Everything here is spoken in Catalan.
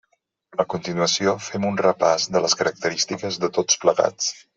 A continuació fem un repàs de les característiques de tots plegats.